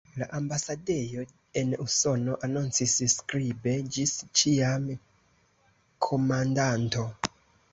La ambasadejo en Usono anoncis skribe: "Ĝis ĉiam, Komandanto!